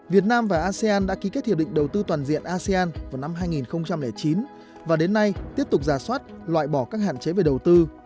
việt nam và asean đã ký kết hiệp định đầu tư toàn diện asean vào năm hai nghìn chín và đến nay tiếp tục giả soát loại bỏ các hạn chế về đầu tư